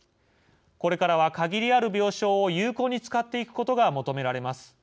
これからは限りある病床を有効に使っていくことが求められます。